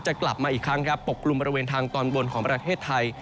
จะกลับมาอีกครั้งปกรุงบริเวณทางตอนบนของประเทศไทย